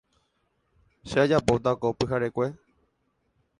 Che ajapóta ko pyharekue.